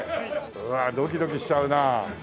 うわドキドキしちゃうな。